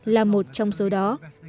là một trong số đó